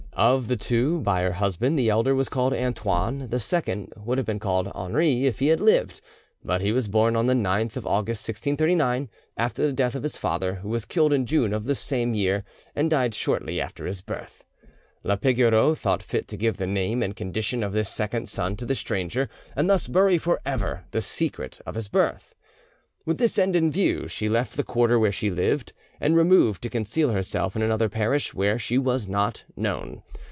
Of the two by her husband the elder was called Antoine, the second would have been called Henri if he had lived; but he was born on the 9th of August 1639, after the death of his father, who was killed in June of the same year, and died shortly after his birth. La Pigoreau thought fit to give the name and condition of this second son to the stranger, and thus bury for ever the secret of his birth. With this end in view, she left the quarter where she lived, and removed to conceal herself in another parish where she was not known.